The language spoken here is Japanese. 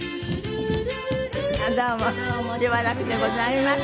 どうもしばらくでございました。